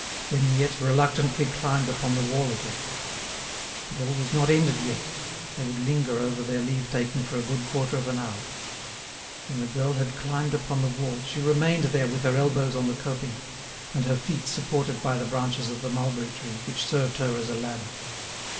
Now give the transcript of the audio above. Then Miette reluctantly climbed upon the wall again. But all was not ended yet, they would linger over their leave taking for a good quarter of an hour. When the girl had climbed upon the wall, she remained there with her elbows on the coping, and her feet supported by the branches of the mulberry tree, which served her as a ladder.